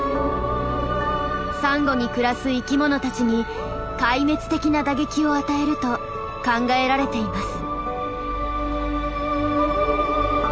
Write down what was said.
サンゴに暮らす生きものたちに壊滅的な打撃を与えると考えられています。